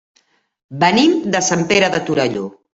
Venim de Sant Pere de Torelló.